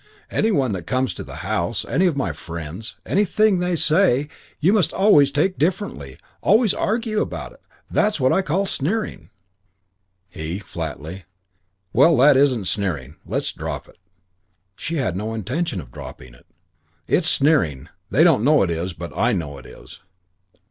Any one that comes to the house, any of my friends, anything they say you must always take differently, always argue about. That's what I call sneering " He, flatly, "Well, that isn't sneering. Let's drop it." She had no intention of dropping it. "It is sneering. They don't know it is. But I know it is."